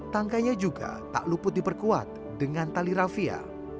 tangkainya juga tak luput diperkuat dengan tali rafia